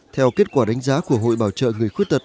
theo kết quả đánh giá của hội bảo trợ người khuyết tật